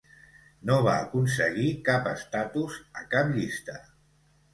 No va aconseguir cap estatus a cap llista.